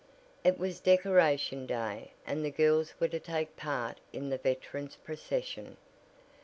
It was Decoration Day, and the girls were to take part in the Veterans' procession.